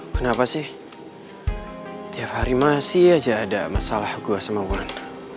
kenapa sih tiap hari masih aja ada masalah gue sama orang